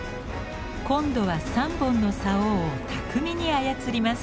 今度は３本のさおを巧みに操ります。